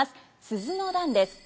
「鈴の段」です。